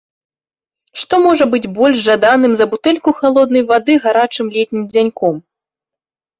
Што можа быць больш жаданым за бутэльку халоднай вады гарачым летнім дзяньком?